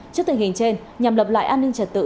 trước tình hình trên nhằm lập lại an ninh trật tự